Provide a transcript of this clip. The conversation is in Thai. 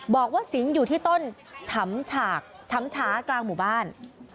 บอกว่าสิงห์อยู่ที่ต้นฉำฉากช้ำช้ากลางหมู่บ้าน